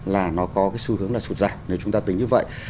là nó có cái xu hướng là sụt giảm nếu chúng ta tính như vậy